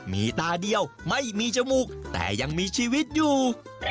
มีตาเดียวไม่มีจมูกแต่ยังมีชีวิตอยู่